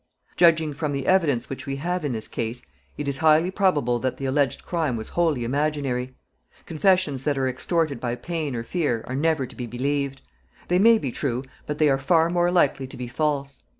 Judging from the evidence which we have in this case, it is highly probable that the alleged crime was wholly imaginary. Confessions that are extorted by pain or fear are never to be believed. They may be true, but they are far more likely to be false.